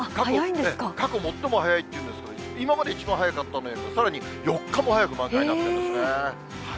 過去最も早いっていうんですから、今まで一番早かったのよりもさらに４日も早く満開になったんですね。